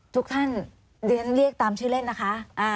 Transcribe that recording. ทุกท่านเรียนเรียกตามชื่อเล่นนะคะ